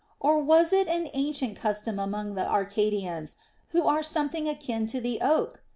Or was it an ancient custom among the Arcadians, who are something akin to the oak